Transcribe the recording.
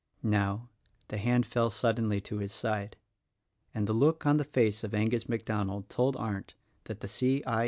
Now the hand fell suddenly to his sid e ; and the look on the face of Angus MacDonald told Arndt that the C. I.